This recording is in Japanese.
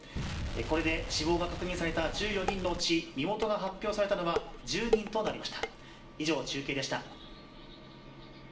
これで、死亡が確認された１４人のうち身元が発表されたのは１０人となりました。